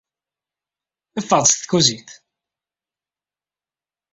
Ffeɣ-d seg tkuzint!